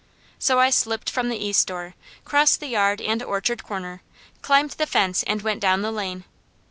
So I slipped from the east door, crossed the yard and orchard corner, climbed the fence and went down the lane.